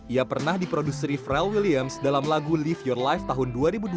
ia pernah di produseri pharrell williams dalam lagu live your life tahun dua ribu dua belas